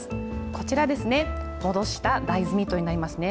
こちらですね、戻した大豆ミートになりますね。